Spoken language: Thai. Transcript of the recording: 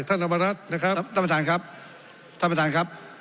ธรรมรัฐนะครับท่านประธานครับท่านประธานครับ